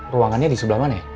ruangannya di sebelah mana